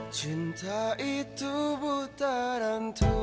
cinta itu buta rantu